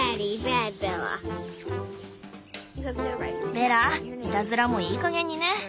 ベラいたずらもいいかげんにね。